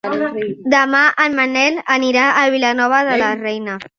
Demà en Manel anirà a Vilanova de la Reina.